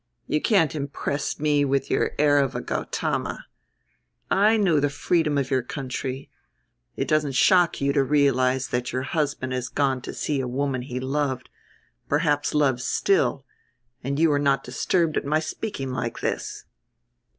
You can't impress me with your air of a Gautama. I know the freedom of your country. It doesn't shock you to realize that your husband has gone to see a woman he loved, perhaps loves still, and you are not disturbed at my speaking like this."